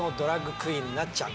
クイーンなっちゃん。